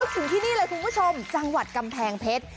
ถึงที่นี่เลยคุณผู้ชมจังหวัดกำแพงเพชร